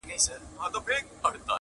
هغه کيسې د تباهيو- سوځېدلو کړلې-